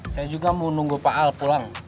saya juga mau nunggu pak al pulang